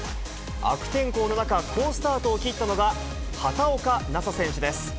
悪天候の中、好スタートを切ったのが、畑岡奈紗選手です。